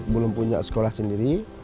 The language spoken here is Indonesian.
belum punya sekolah sendiri